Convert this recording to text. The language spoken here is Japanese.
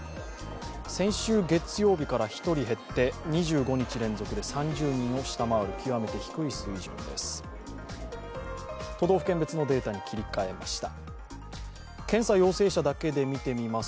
先週月曜日から１人減って２５日連続で３０人を下回る極めて低い水準です。